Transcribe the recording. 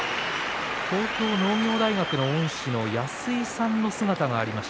東京農業大学の恩師の安井さんの姿がありました。